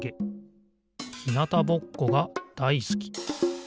ひなたぼっこがだいすき。